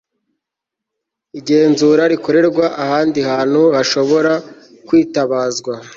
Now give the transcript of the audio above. igenzura rikorerwa ahandi hantu hashobora kwitabazwa